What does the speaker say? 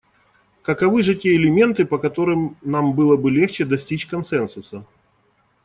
Каковы же те элементы, по которым нам было бы легче достичь консенсуса?